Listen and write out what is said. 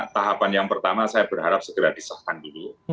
tahapan yang pertama saya berharap segera disahkan dulu